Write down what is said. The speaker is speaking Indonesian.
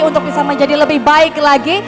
untuk bisa menjadi lebih baik lagi